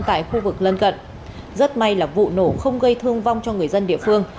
tại khu vực lân cận rất may là vụ nổ không gây thương vong cho người dân địa phương